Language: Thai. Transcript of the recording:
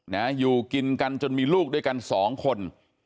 นะฮะอยู่กินกันจนมีลูกด้วยกัน๒คน